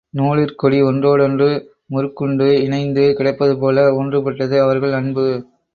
நூழிற்கொடி ஒன்றோடொன்று முறுக்குண்டு இணைந்து கிடப்பதுபோல ஒன்றுபட்டது அவர்கள் அன்பு.